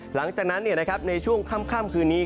หลังจากนั้นในช่วงค่ำคืนนี้